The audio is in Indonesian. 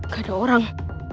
gak ada orang